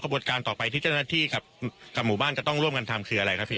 บทการต่อไปที่เจ้าหน้าที่กับหมู่บ้านจะต้องร่วมกันทำคืออะไรครับพี่